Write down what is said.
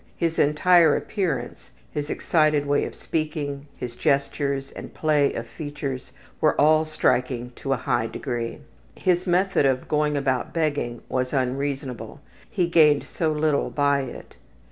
His entire appearance, his excited way of speaking, his gestures and play of features were all striking to a high degree. His method of going about begging was unreasonable; he gained so little by it.